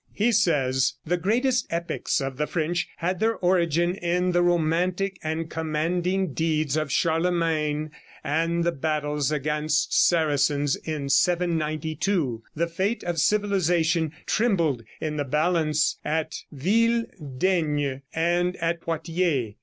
He says: "The great epics of the French had their origin in the romantic and commanding deeds of Charlemagne and the battles against Saracens in 792. The fate of civilization trembled in the balance at Ville Daigne and at Poitiers.